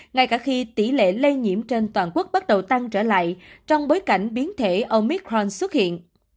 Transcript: ngay cả khi tỷ lệ lây nhiễm trên toàn quốc bắt đầu tăng trở lại trong bối cảnh biến thể omicron xuất hiện